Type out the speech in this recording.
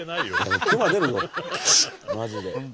マジで。